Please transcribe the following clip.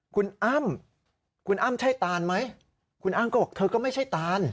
คุณอ้ำคุณอ้ำใช่ตานไหมคุณอ้ำก็บอกเธอก็ไม่ใช่ตาน